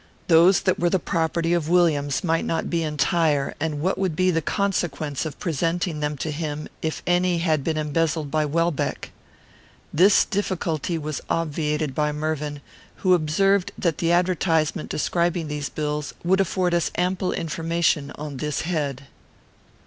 Those that were the property of Williams might not be entire, and what would be the consequence of presenting them to him, if any had been embezzled by Welbeck? This difficulty was obviated by Mervyn, who observed that the advertisement describing these bills would afford us ample information on this head.